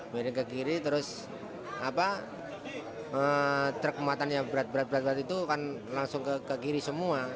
miring ke kiri terus truk muatan yang berat berat itu kan langsung ke kiri semua